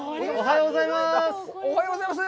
おはようございます！